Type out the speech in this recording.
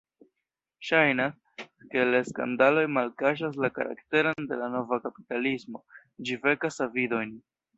Ŝajnas, ke la skandaloj malkaŝas la karakteron de la nova kapitalismo: ĝi vekas avidojn.